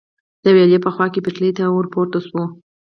د ویالې په خوا کې پټلۍ ته ور پورته شو.